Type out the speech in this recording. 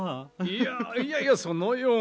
いやいやいやそのような。